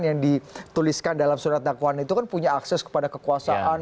yang dituliskan dalam surat dakwaan itu kan punya akses kepada kekuasaan